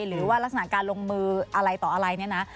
หรือว่ารักษณะการลงมืออะไรต่ออะไรนี่นะ